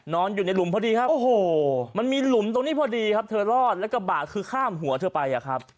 นอนอยู่ในหลุมพอดีครับโอ้โหมันมีหลุมตรงนี้พอดีครับเธอรอดแล้วกระบะคือข้ามหัวเธอไปอะครับ